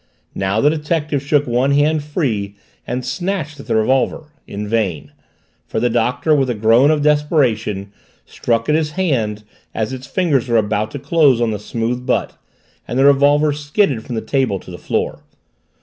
Now the detective shook one hand free and snatched at the revolver in vain for the Doctor, with a groan of desperation, struck at his hand as its fingers were about to close on the smooth butt and the revolver skidded from the table to the floor.